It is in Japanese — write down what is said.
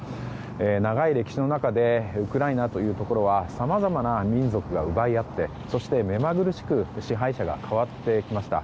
長い歴史の中でウクライナというところはさまざまな民族が奪い合ってそして目まぐるしく支配者が変わってきました。